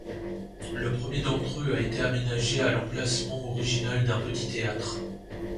Le premier d'entre eux a été aménagé à l'emplacement original d'un petit théâtre.